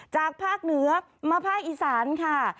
จากภาคเหนือมาภาคอีสานค่ะ